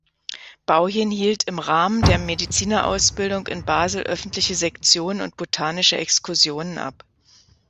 Bauhin hielt im Rahmen der Medizinerausbildung in Basel öffentliche Sektionen und botanische Exkursionen ab.